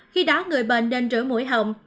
khi đó người bệnh nên rửa mũi hồng